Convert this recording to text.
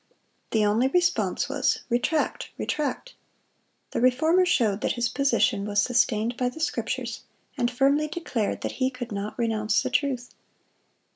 The only response was, "Retract, retract!" The Reformer showed that his position was sustained by the Scriptures, and firmly declared that he could not renounce the truth.